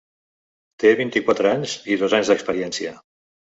Te vint-i-quatre anys i dos anys d'experiència.